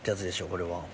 これは。